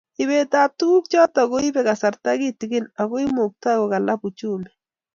Ibet ab tukuk choto koibei kasarta kitikin ako imuktoi kokalab uchumi